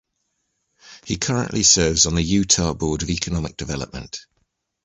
He currently serves on the Utah Board of Economic Development.